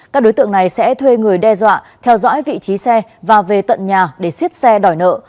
các đối tượng này sẽ thuê người đe dọa theo dõi vị trí xe và về tận nhà để xiết xe đòi nợ